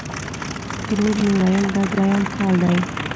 ترور مې ویل: دا دویم کال دی.